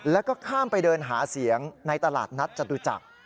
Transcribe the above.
แล้วก็ข้ามไปเดินหาเสียงในตลาดนัดจตุจักร